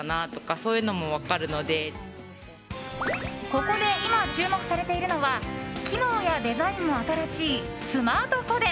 ここで今、注目されているのは機能やデザインも新しいスマート個電。